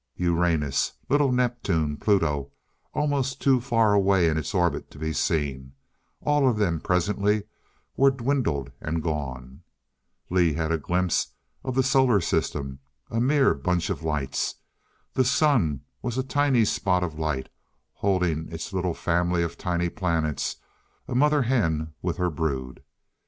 Uranus, little Neptune Pluto, almost too far away in its orbit to be seen all of them presently were dwindled and gone. Lee had a glimpse of the Solar system, a mere bunch of lights. The Sun was a tiny spot of light, holding its little family of tiny planets a mother hen with her brood.